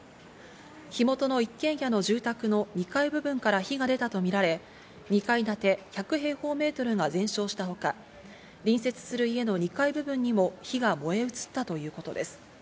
火元の一軒家の住宅の２階部分から火が出たとみられ、２階建て１００平方メートルが全焼したほか、隣接する家の２階部分にも火が燃えうつったということです。